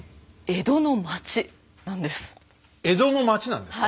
江戸の町なんですか。